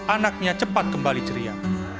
anaknya cepat kembali ceria